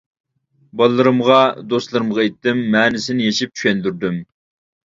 بالىلىرىمغا، دوستلىرىمغا ئېيتتىم، مەنىسىنى يېشىپ چۈشەندۈردۈم.